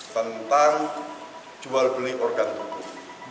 tentang jual beli organ tubuh